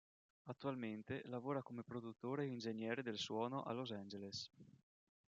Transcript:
Attualmente lavora come produttore e ingegnere del suono a Los Angeles.